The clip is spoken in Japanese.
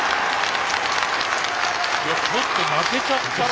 ちょっと泣けちゃったな